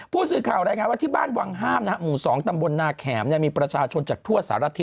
คุณดูตะเคียน๒พี่น้องนางบอกนี่เข้าใจ